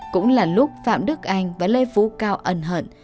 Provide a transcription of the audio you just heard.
cũng là lúc phạm đức anh và lê phú cao ẩn hận